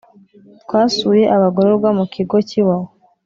Twasuye abagororwa mu kigo cy’iwawa